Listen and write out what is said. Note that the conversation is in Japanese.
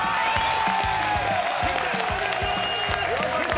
お願いします！